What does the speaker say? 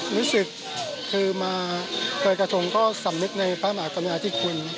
รู้สึกคือมาลอยกระทงก็สำนึกในพระมหากรุณาธิคุณ